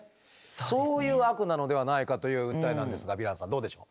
そういう悪なのではないかという訴えなんですがヴィランさんどうでしょう？